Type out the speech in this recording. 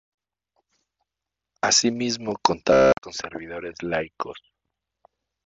Asimismo contaban con servidores laicos.